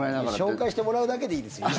紹介してもらうだけでいいですよ。